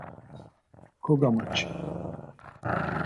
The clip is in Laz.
Kogamaçi.